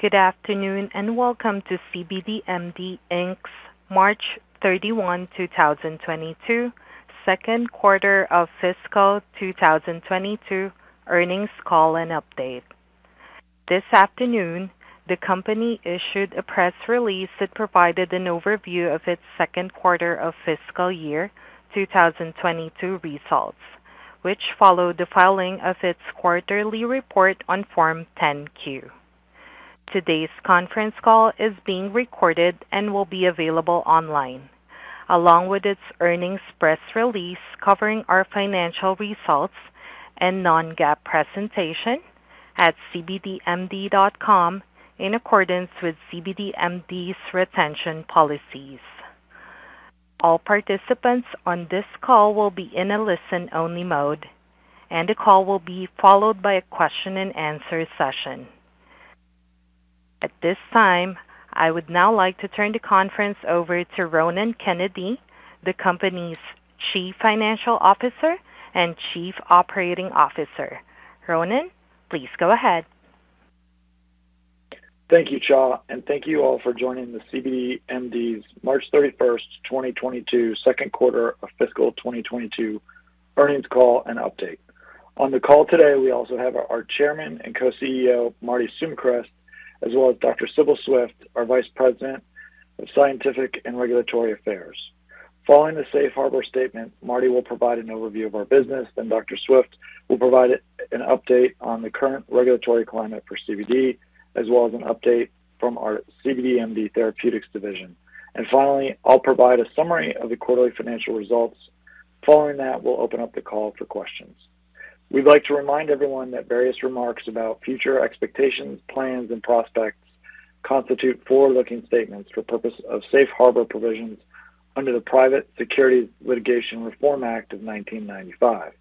Good afternoon, and welcome to cbdMD, Inc.'s March 31, 2022, Second Quarter of Fiscal 2022 Earnings Call and Update. This afternoon, the company issued a press release that provided an overview of its second quarter of fiscal year 2022 results, which followed the filing of its quarterly report on Form 10-Q. Today's conference call is being recorded and will be available online, along with its earnings press release covering our financial results and non-GAAP presentation at cbdmd.com in accordance with cbdMD's retention policies. All participants on this call will be in a listen-only mode, and the call will be followed by a question-and-answer session. At this time, I would now like to turn the conference over to Ronan Kennedy, the company's Chief Financial Officer and Chief Operating Officer. Ronan, please go ahead. Thank you, Cha, and thank you all for joining the cbdMD's March 31, 2022, Second Quarter of Fiscal 2022 Earnings Call and Update. On the call today, we also have our Chairman and Co-CEO, Marty Sumichrast, as well as Dr. Sibyl Swift, our Vice President of Scientific and Regulatory Affairs. Following the Safe Harbor statement, Marty will provide an overview of our business, then Dr. Swift will provide an update on the current regulatory climate for CBD, as well as an update from our cbdMD Therapeutics division. Finally, I'll provide a summary of the quarterly financial results. Following that, we'll open up the call for questions. We'd like to remind everyone that various remarks about future expectations, plans, and prospects constitute forward-looking statements for purpose of Safe Harbor provisions under the Private Securities Litigation Reform Act of 1995.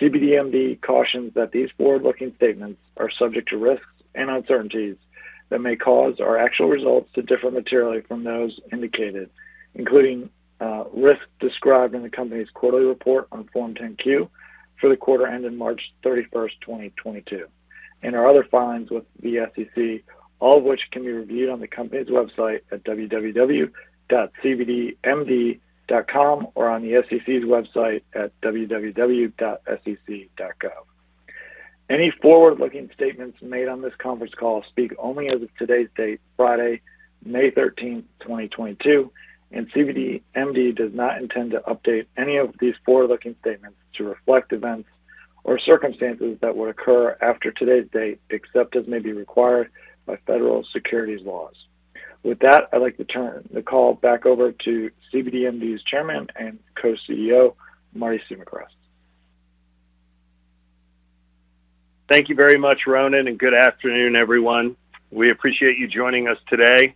cbdMD cautions that these forward-looking statements are subject to risks and uncertainties that may cause our actual results to differ materially from those indicated, including risks described in the company's quarterly report on Form 10-Q for the quarter ending March 31, 2022, and our other filings with the SEC, all of which can be reviewed on the company's website at www.cbdmd.com or on the SEC's website at www.sec.gov. Any forward-looking statements made on this conference call speak only as of today's date, Friday, May 13, 2022, and cbdMD does not intend to update any of these forward-looking statements to reflect events or circumstances that would occur after today's date, except as may be required by federal securities laws. With that, I'd like to turn the call back over to cbdMD's Chairman and Co-CEO, Marty Sumichrast. Thank you very much, Ronan, and good afternoon, everyone. We appreciate you joining us today.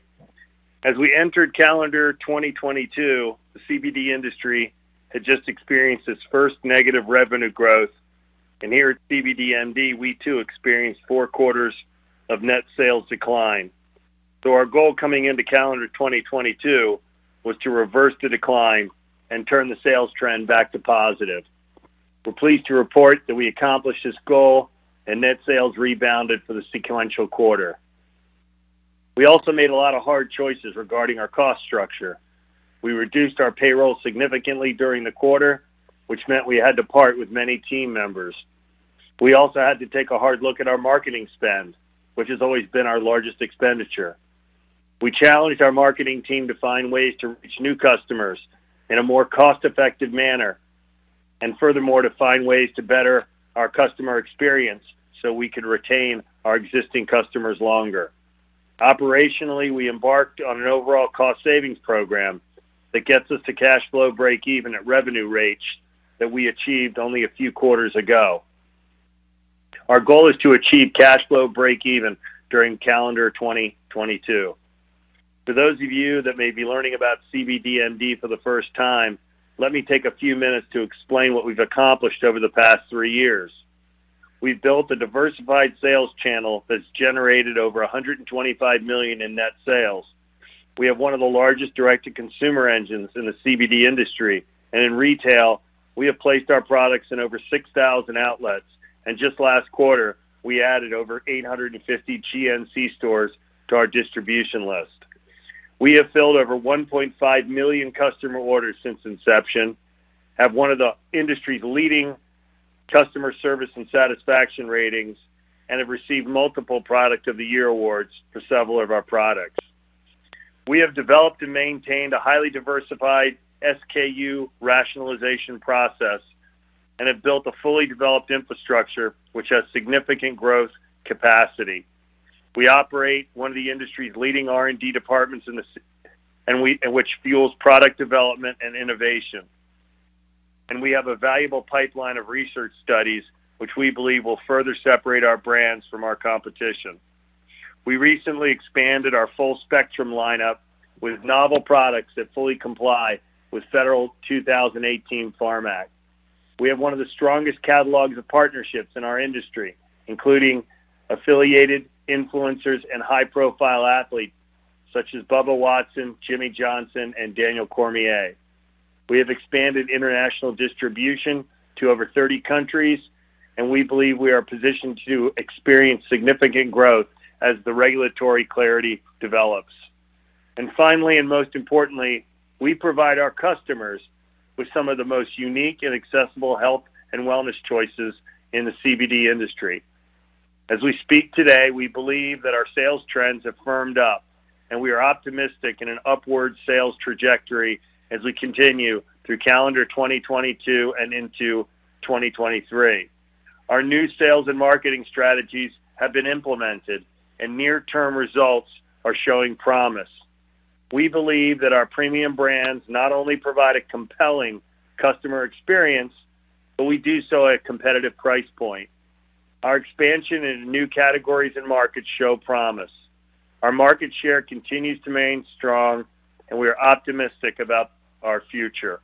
As we entered calendar 2022, the CBD industry had just experienced its first negative revenue growth, and here at cbdMD, we too experienced 4 quarters of net sales decline. Our goal coming into calendar 2022 was to reverse the decline and turn the sales trend back to positive. We're pleased to report that we accomplished this goal and net sales rebounded for the sequential quarter. We also made a lot of hard choices regarding our cost structure. We reduced our payroll significantly during the quarter, which meant we had to part with many team members. We also had to take a hard look at our marketing spend, which has always been our largest expenditure. We challenged our marketing team to find ways to reach new customers in a more cost-effective manner, and furthermore, to find ways to better our customer experience so we could retain our existing customers longer. Operationally, we embarked on an overall cost savings program that gets us to cash flow break even at revenue rates that we achieved only a few quarters ago. Our goal is to achieve cash flow break even during calendar 2022. For those of you that may be learning about cbdMD for the first time, let me take a few minutes to explain what we've accomplished over the past three years. We've built a diversified sales channel that's generated over $125 million in net sales. We have one of the largest direct-to-consumer engines in the CBD industry, and in retail, we have placed our products in over 6,000 outlets. Just last quarter, we added over 850 GNC stores to our distribution list. We have filled over 1.5 million customer orders since inception, have one of the industry's leading customer service and satisfaction ratings, and have received multiple Product of the Year awards for several of our products. We have developed and maintained a highly diversified SKU rationalization process and have built a fully developed infrastructure which has significant growth capacity. We operate one of the industry's leading R&D departments which fuels product development and innovation. We have a valuable pipeline of research studies, which we believe will further separate our brands from our competition. We recently expanded our full spectrum lineup with novel products that fully comply with Federal 2018 Farm Bill. We have one of the strongest catalogs of partnerships in our industry, including affiliated influencers and high-profile athletes such as Bubba Watson, Jimmie Johnson, and Daniel Cormier. We have expanded international distribution to over 30 countries, and we believe we are positioned to experience significant growth as the regulatory clarity develops. Finally, and most importantly, we provide our customers with some of the most unique and accessible health and wellness choices in the CBD industry. As we speak today, we believe that our sales trends have firmed up, and we are optimistic in an upward sales trajectory as we continue through calendar 2022 and into 2023. Our new sales and marketing strategies have been implemented and near term results are showing promise. We believe that our premium brands not only provide a compelling customer experience, but we do so at competitive price point. Our expansion into new categories and markets shows promise. Our market share continues to remain strong and we are optimistic about our future.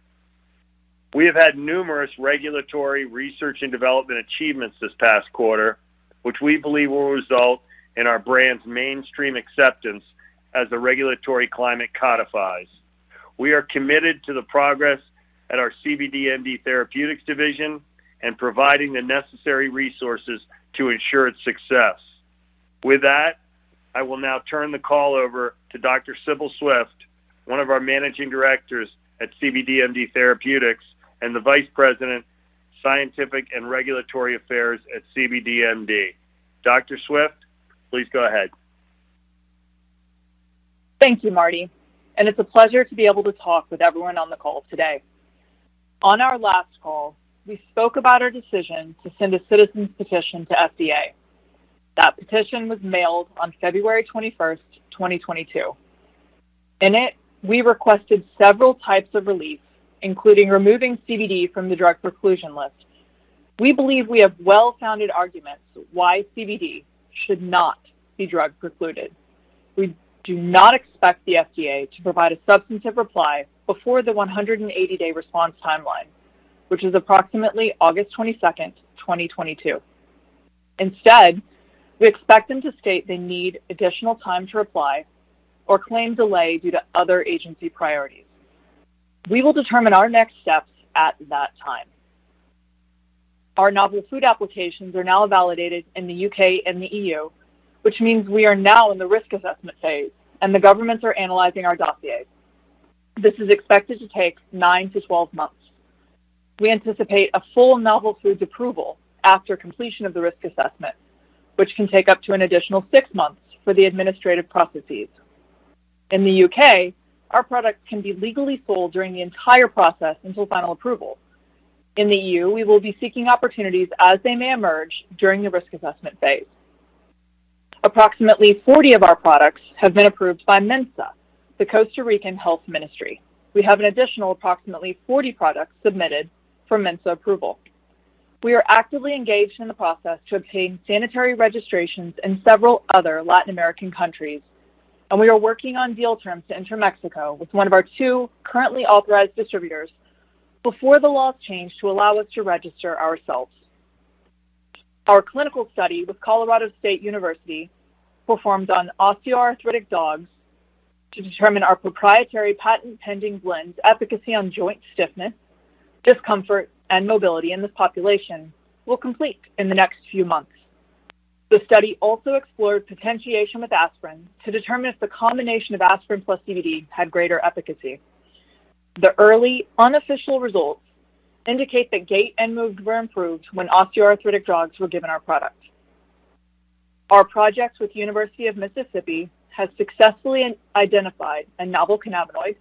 We have had numerous regulatory research and development achievements this past quarter, which we believe will result in our brand's mainstream acceptance as the regulatory climate codifies. We are committed to the progress at our cbdMD Therapeutics division and providing the necessary resources to ensure its success. With that, I will now turn the call over to Dr. Sibyl Swift, one of our managing directors at cbdMD Therapeutics and the Vice President, Scientific and Regulatory Affairs at cbdMD. Dr. Swift, please go ahead. Thank you, Marty, and it's a pleasure to be able to talk with everyone on the call today. On our last call, we spoke about our decision to send a citizen's petition to FDA. That petition was mailed on February 21st, 2022. In it, we requested several types of reliefs, including removing CBD from the drug preclusion list. We believe we have well-founded arguments why CBD should not be drug precluded. We do not expect the FDA to provide a substantive reply before the 180-day response timeline, which is approximately August 22nd, 2022. Instead, we expect them to state they need additional time to reply or claim delay due to other agency priorities. We will determine our next steps at that time. Our novel food applications are now validated in the U.K. and the E.U., which means we are now in the risk assessment phase, and the governments are analyzing our dossiers. This is expected to take 9-12 months. We anticipate a full novel foods approval after completion of the risk assessment, which can take up to an additional 6 months for the administrative processes. In the U.K., our product can be legally sold during the entire process until final approval. In the E.U., we will be seeking opportunities as they may emerge during the risk assessment phase. Approximately 40 of our products have been approved by MINSA, the Ministry of Health. We have an additional approximately 40 products submitted for MINSA approval. We are actively engaged in the process to obtain sanitary registrations in several other Latin American countries, and we are working on deal terms to enter Mexico with one of our two currently authorized distributors before the laws change to allow us to register ourselves. Our clinical study with Colorado State University performed on osteoarthritic dogs to determine our proprietary patent pending blend's efficacy on joint stiffness, discomfort, and mobility in this population will complete in the next few months. The study also explored potentiation with aspirin to determine if the combination of aspirin plus CBD had greater efficacy. The early unofficial results indicate that gait and mood were improved when osteoarthritic dogs were given our product. Our projects with University of Mississippi has successfully identified a novel cannabinoid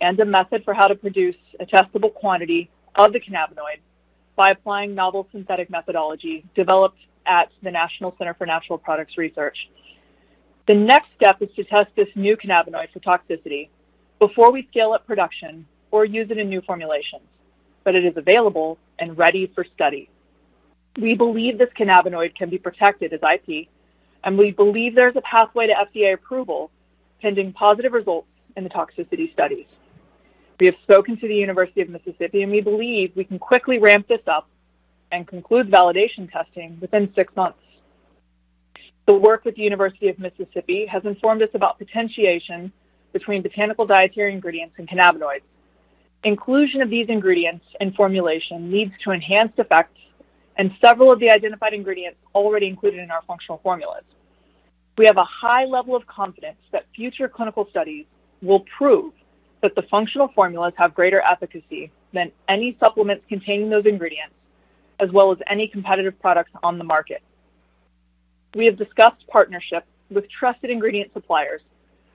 and a method for how to produce a testable quantity of the cannabinoid by applying novel synthetic methodology developed at the National Center for Natural Products Research. The next step is to test this new cannabinoid for toxicity before we scale up production or use it in new formulations, but it is available and ready for study. We believe this cannabinoid can be protected as IP, and we believe there's a pathway to FDA approval pending positive results in the toxicity studies. We have spoken to the University of Mississippi, and we believe we can quickly ramp this up and conclude validation testing within six months. The work with the University of Mississippi has informed us about potentiation between botanical dietary ingredients and cannabinoids. Inclusion of these ingredients in formulation leads to enhanced effects, and several of the identified ingredients already included in our functional formulas. We have a high level of confidence that future clinical studies will prove that the functional formulas have greater efficacy than any supplements containing those ingredients, as well as any competitive products on the market. We have discussed partnerships with trusted ingredient suppliers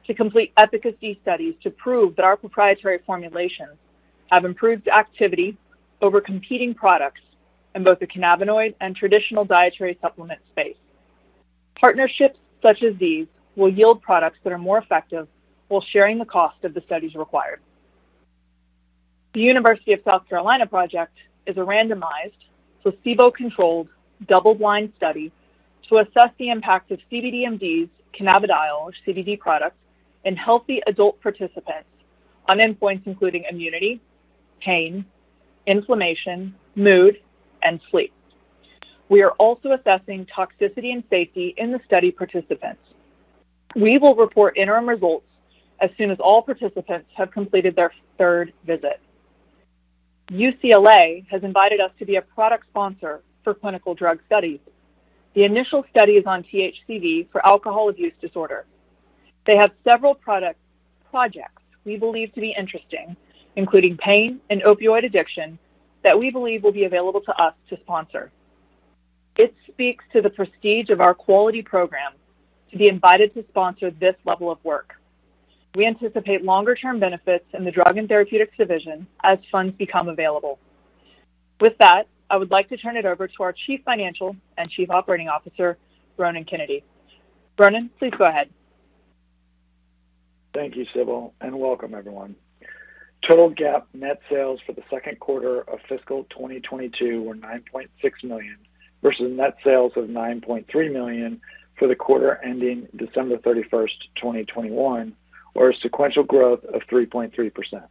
to complete efficacy studies to prove that our proprietary formulations have improved activity over competing products in both the cannabinoid and traditional dietary supplement space. Partnerships such as these will yield products that are more effective while sharing the cost of the studies required. The University of South Carolina project is a randomized, placebo-controlled, double-blind study to assess the impact of cbdMD's cannabidiol, CBD products in healthy adult participants on endpoints including immunity, pain, inflammation, mood, and sleep. We are also assessing toxicity and safety in the study participants. We will report interim results as soon as all participants have completed their third visit. UCLA has invited us to be a product sponsor for clinical drug studies. The initial study is on THCV for alcohol abuse disorder. They have several product projects we believe to be interesting, including pain and opioid addiction, that we believe will be available to us to sponsor. It speaks to the prestige of our quality program to be invited to sponsor this level of work. We anticipate longer-term benefits in cbdMD Therapeutics as funds become available. With that, I would like to turn it over to our Chief Financial and Chief Operating Officer, Ronan Kennedy. Ronan, please go ahead. Thank you, Sibyl, and welcome everyone. Total GAAP net sales for the second quarter of fiscal 2022 were $9.6 million, versus net sales of $9.3 million for the quarter ending December 31, 2021, or a sequential growth of 3.3%.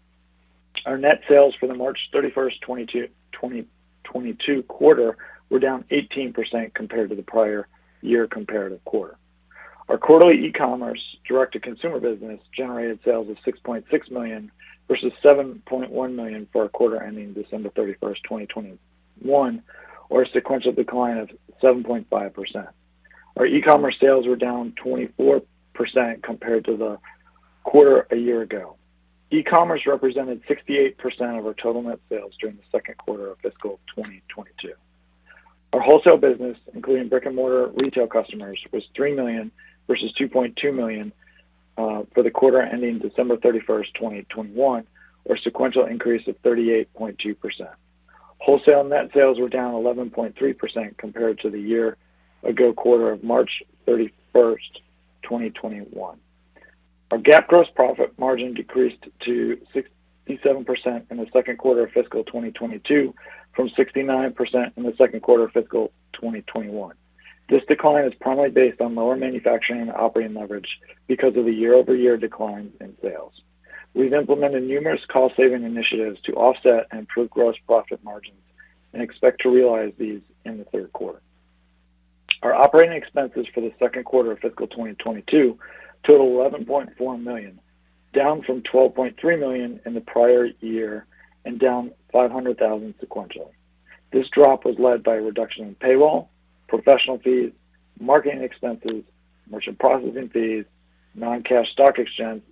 Our net sales for the March 31, 2022 quarter were down 18% compared to the prior year comparative quarter. Our quarterly e-commerce direct-to-consumer business generated sales of $6.6 million versus $7.1 million for our quarter ending December 31, 2021, or a sequential decline of 7.5%. Our e-commerce sales were down 24% compared to the quarter a year ago. E-commerce represented 68% of our total net sales during the second quarter of fiscal 2022. Our wholesale business, including brick-and-mortar retail customers, was $3 million versus $2.2 million for the quarter ending December 31, 2021, or a sequential increase of 38.2%. Wholesale net sales were down 11.3% compared to the year ago quarter of March 31, 2021. Our GAAP gross profit margin decreased to 67% in the second quarter of fiscal 2022 from 69% in the second quarter of fiscal 2021. This decline is primarily based on lower manufacturing and operating leverage because of a year-over-year decline in sales. We've implemented numerous cost-saving initiatives to offset and improve gross profit margins and expect to realize these in the third quarter. Our operating expenses for the second quarter of fiscal 2022 totaled $11.4 million, down from $12.3 million in the prior year and down $500,000 sequentially. This drop was led by a reduction in payroll, professional fees, marketing expenses, merchant processing fees, non-cash stock expense,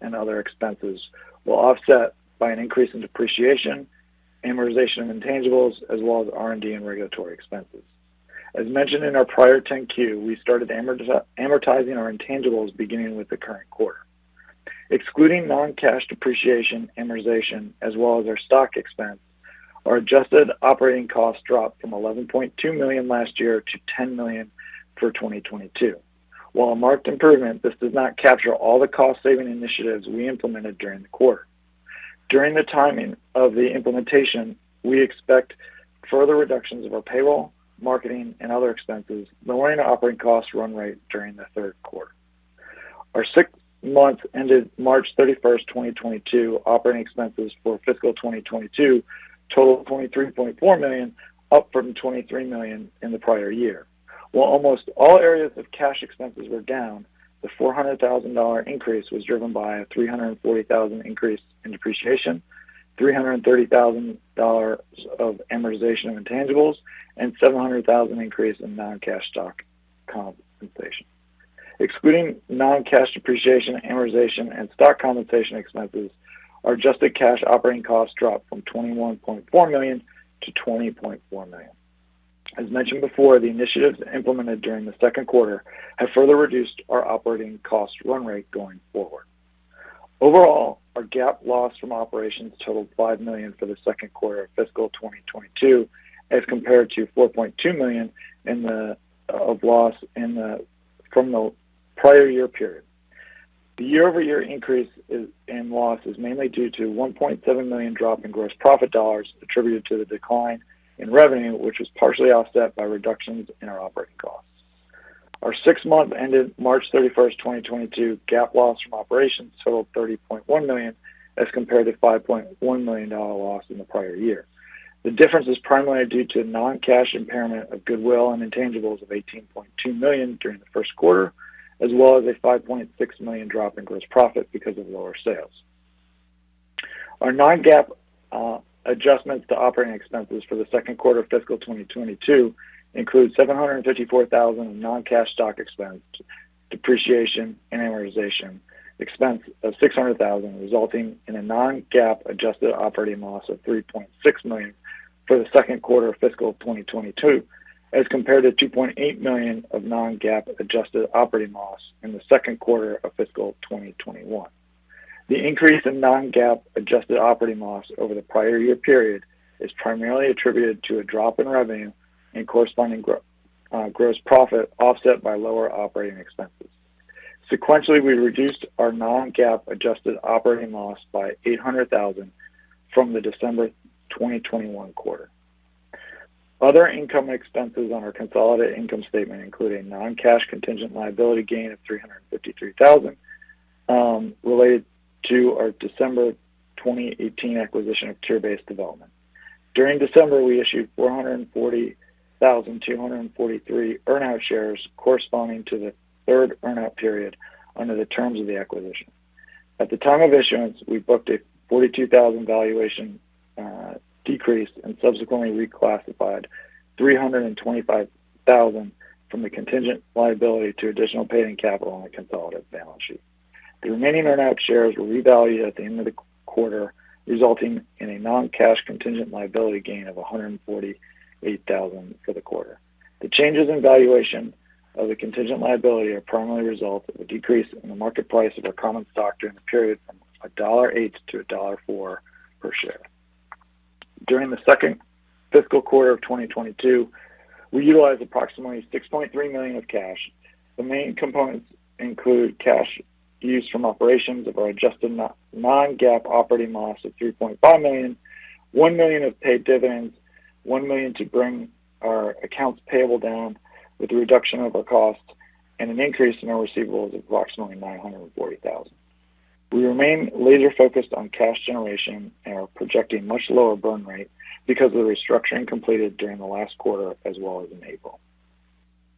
and other expenses, while offset by an increase in depreciation, amortization of intangibles, as well as R&D and regulatory expenses. As mentioned in our prior 10-Q, we started amortizing our intangibles beginning with the current quarter. Excluding non-cash depreciation, amortization, as well as our stock expense, our adjusted operating costs dropped from $11.2 million last year to $10 million for 2022. While a marked improvement, this does not capture all the cost-saving initiatives we implemented during the quarter. During the timing of the implementation, we expect further reductions of our payroll, marketing, and other expenses, lowering our operating cost run rate during the third quarter. Our six months ended March 31, 2022, operating expenses for fiscal 2022 totaled $23.4 million, up from $23 million in the prior year. While almost all areas of cash expenses were down, the $400,000 increase was driven by a $340,000 increase in depreciation, $330,000 of amortization of intangibles, and $700,000 increase in non-cash stock compensation. Excluding non-cash depreciation, amortization, and stock compensation expenses, our adjusted cash operating costs dropped from $21.4 million to $20.4 million. As mentioned before, the initiatives implemented during the second quarter have further reduced our operating cost run rate going forward. Overall, our GAAP loss from operations totaled $5 million for the second quarter of fiscal 2022 as compared to $4.2 million of loss from the prior year period. The year-over-year increase in loss is mainly due to $1.7 million drop in gross profit dollars attributed to the decline in revenue, which was partially offset by reductions in our operating costs. Our six months ended March 31, 2022 GAAP loss from operations totaled $30.1 million as compared to $5.1 million dollar loss in the prior year. The difference is primarily due to a non-cash impairment of goodwill and intangibles of $18.2 million during the first quarter, as well as a $5.6 million drop in gross profit because of lower sales. Our non-GAAP adjustments to operating expenses for the second quarter of fiscal 2022 include $754,000 in non-cash stock expense, depreciation and amortization expense of $600,000, resulting in a non-GAAP adjusted operating loss of $3.6 million for the second quarter of fiscal 2022, as compared to $2.8 million of non-GAAP adjusted operating loss in the second quarter of fiscal 2021. The increase in non-GAAP adjusted operating loss over the prior year period is primarily attributed to a drop in revenue and corresponding gross profit offset by lower operating expenses. Sequentially, we reduced our non-GAAP adjusted operating loss by $800,000 from the December 2021 quarter. Other income expenses on our consolidated income statement include a non-cash contingent liability gain of $353,000, related to our December 2018 acquisition of Cure Based Development. During December, we issued 440,243 earn-out shares corresponding to the third earn-out period under the terms of the acquisition. At the time of issuance, we booked a $42,000 valuation decrease, and subsequently reclassified $325,000 from the contingent liability to additional paid-in capital on the consolidated balance sheet. The remaining earn-out shares were revalued at the end of the quarter, resulting in a non-cash contingent liability gain of $148,000 for the quarter. The changes in valuation of the contingent liability are primarily a result of a decrease in the market price of our common stock during the period from $8 to $4 per share. During the second fiscal quarter of 2022, we utilized approximately $63 million of cash. The main components include cash used from operations of our adjusted non-GAAP operating loss of $3.5 million, $1 million of paid dividends, $1 million to bring our accounts payable down with the reduction of our cost, and an increase in our receivables of approximately $940,000. We remain laser-focused on cash generation and are projecting much lower burn rate because of the restructuring completed during the last quarter as well as in April.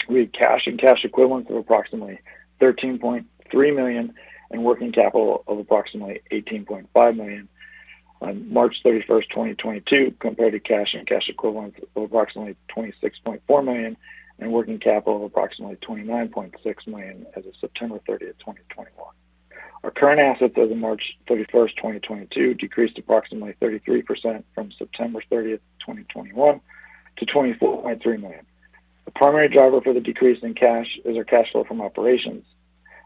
We had cash and cash equivalents of approximately $13.3 million and working capital of approximately $18.5 million on March 31, 2022, compared to cash and cash equivalents of approximately $26.4 million and working capital of approximately $29.6 million as of September 30, 2021. Our current assets as of March 31, 2022, decreased approximately 33% from September 30, 2021, to $24.3 million. The primary driver for the decrease in cash is our cash flow from operations.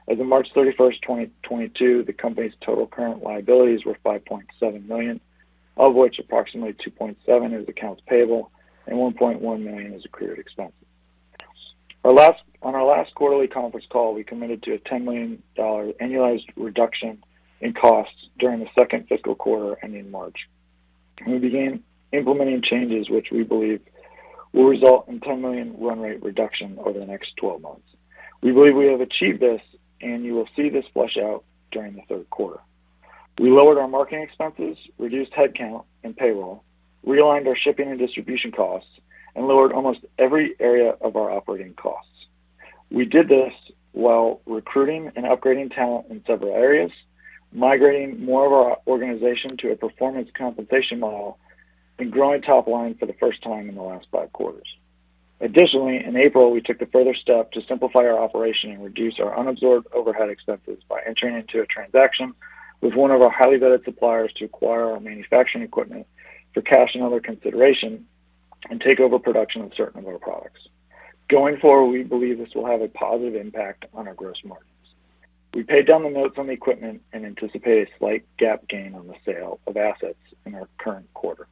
As of March 31, 2022, the company's total current liabilities were $5.7 million, of which approximately $2.7 million is accounts payable and $1.1 million is accrued expenses. On our last quarterly conference call, we committed to a $10 million annualized reduction in costs during the second fiscal quarter and in March. We began implementing changes which we believe will result in $10 million run rate reduction over the next 12 months. We believe we have achieved this, and you will see this flush out during the third quarter. We lowered our marketing expenses, reduced headcount and payroll, realigned our shipping and distribution costs, and lowered almost every area of our operating costs. We did this while recruiting and upgrading talent in several areas, migrating more of our organization to a performance compensation model, and growing top line for the first time in the last five quarters. Additionally, in April, we took the further step to simplify our operation and reduce our unabsorbed overhead expenses by entering into a transaction with one of our highly vetted suppliers to acquire our manufacturing equipment for cash and other consideration and take over production of certain of our products. Going forward, we believe this will have a positive impact on our gross margins. We paid down the notes on the equipment and anticipate a slight GAAP gain on the sale of assets in our current quarter.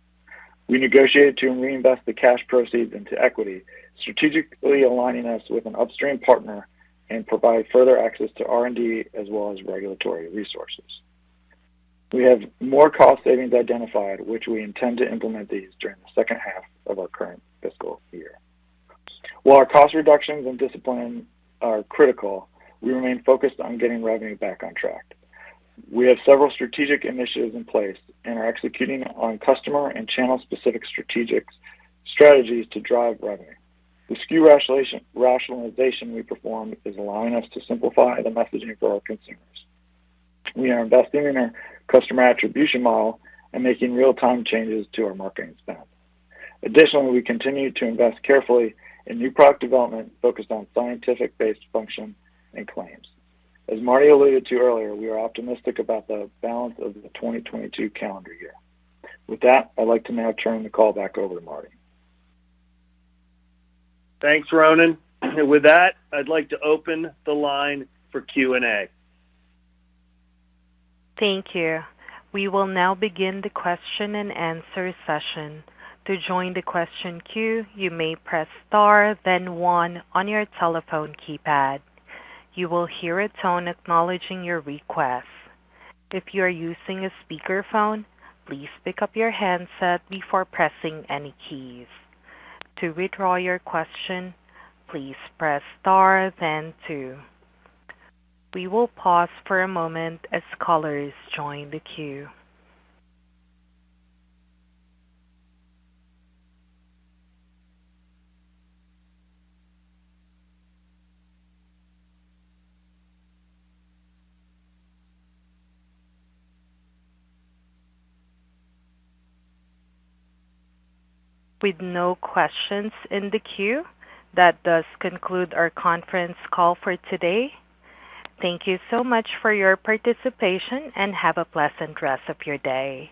We negotiated to reinvest the cash proceeds into equity, strategically aligning us with an upstream partner and provide further access to R&D as well as regulatory resources. We have more cost savings identified, which we intend to implement these during the second half of our current fiscal year. While our cost reductions and discipline are critical, we remain focused on getting revenue back on track. We have several strategic initiatives in place and are executing on customer and channel-specific strategies to drive revenue. The SKU rationalization we performed is allowing us to simplify the messaging for our consumers. We are investing in our customer attribution model and making real-time changes to our marketing spend. Additionally, we continue to invest carefully in new product development focused on scientific-based function and claims. As Marty alluded to earlier, we are optimistic about the balance of the 2022 calendar year. With that, I'd like to now turn the call back over to Marty. Thanks, Ronan. With that, I'd like to open the line for Q&A. Thank you. We will now begin the question-and-answer session. To join the question queue, you may press star then one on your telephone keypad. You will hear a tone acknowledging your request. If you are using a speakerphone, please pick up your handset before pressing any keys. To withdraw your question, please press star then two. We will pause for a moment as callers join the queue. With no questions in the queue, that does conclude our conference call for today. Thank you so much for your participation, and have a pleasant rest of your day.